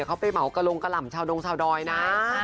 เขาไปเหมากะลงกะหล่ำชาวดงชาวดอยนะ